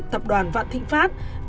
tập đoàn vạn thịnh pháp